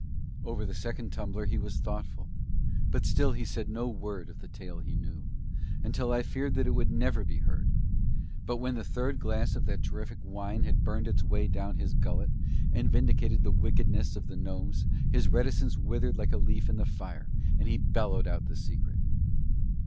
Over the second tumbler he was thoughtful, but still he said no word of the tale he knew, until I feared that it would never be heard. But when the third glass of that terrific wine had burned its way down his gullet, and vindicated the wickedness of the gnomes, his reticence withered like a leaf in the fire, and he bellowed out the secret.